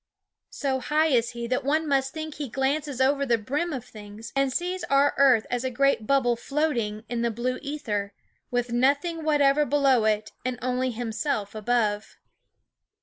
So high is he that one must think he glances over the brim of things, and sees our earth as a great bubble floating in the blue ether, with nothing whatever below it and only himself above.